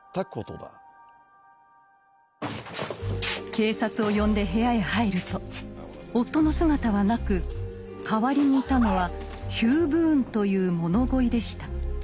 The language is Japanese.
警察を呼んで部屋へ入ると夫の姿はなく代わりにいたのはヒュー・ブーンという物乞いでした。